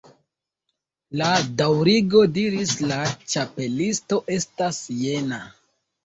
"La daŭrigo," diris la Ĉapelisto, "estas jena.